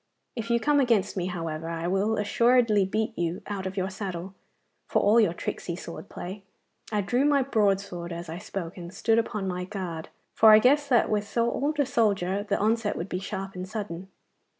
If you come against me, however, I will assuredly beat you out of your saddle, for all your tricky sword play.' I drew my broadsword as I spoke, and stood upon my guard, for I guessed that with so old a soldier the onset would be sharp and sudden.